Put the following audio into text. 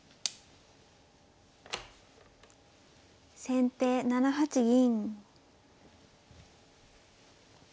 先手７八銀。